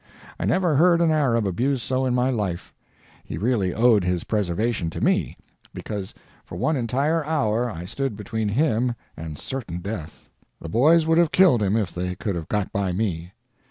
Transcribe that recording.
I never heard an Arab abused so in my life. He really owed his preservation to me, because for one entire hour I stood between him and certain death. The boys would have killed him if they could have got by me.